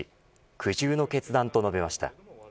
苦渋の決断と述べました。